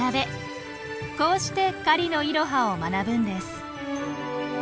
こうして狩りのイロハを学ぶんです。